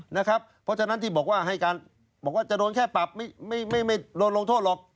เพราะฉะนั้นที่บอกว่าจะโดนแค่ปรับไม่โดนลงโทษหรอก